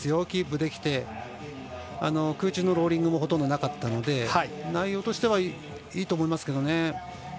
キープできて空中のローリングもほとんどなかったので内容としてはいいと思いますけど。